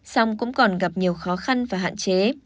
song cũng còn gặp nhiều khó khăn và hạn chế